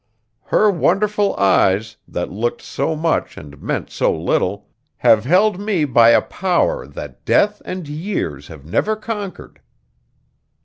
Her wonderful eyes, that looked so much and meant so little, have held me by a power that death and years have never conquered."